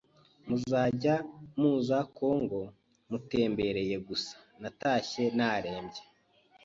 muzajya muza Congo mutembereye gusa, natashye narembye,